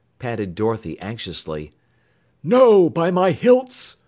panted Dorothy anxiously. "No, by my hilts!"